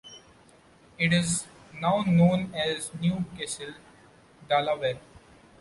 It is now known as New Castle, Delaware.